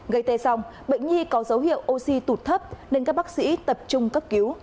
gây tê xong bệnh nhi có dấu hiệu oxy tụt thấp nên các bác sĩ tập trung cấp cứu